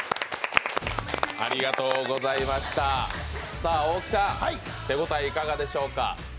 さぁ、大木さん、手応えいかがでしょうか。